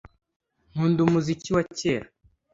nkunda umuziki wa kera